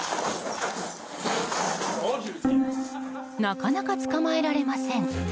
なかなか捕まえられません。